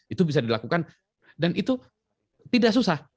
itu bisa dilakukan dan itu tidak susah